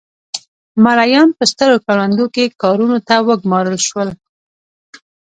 مریان په سترو کروندو کې کارونو ته وګومارل شول.